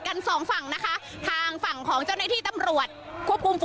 สองฝั่งนะคะทางฝั่งของเจ้าหน้าที่ตำรวจควบคุมตัว